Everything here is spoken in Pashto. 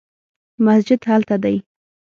مسجد هلته دی